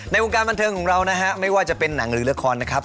วงการบันเทิงของเรานะฮะไม่ว่าจะเป็นหนังหรือละครนะครับ